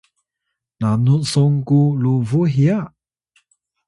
nanu son ku lubuw hiya?